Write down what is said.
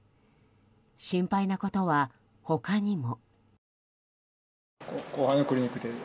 心配なことは、他にも。